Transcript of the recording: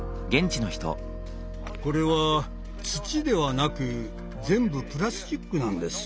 これは土ではなく全部プラスチックなんです。